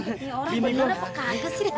ini orang beneran apa kaget sih